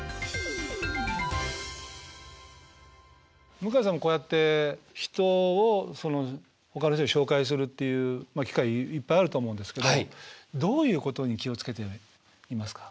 向井さんもこうやって人をそのほかの人に紹介するっていう機会いっぱいあると思うんですけどどういうことに気をつけていますか？